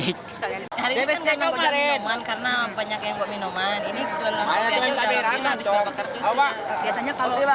hari ini kan nggak banyak minuman karena banyak yang buat minuman